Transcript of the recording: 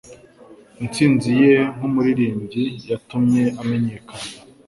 Intsinzi ye nkumuririmbyi yatumye amenyekana.